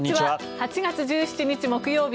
８月１７日木曜日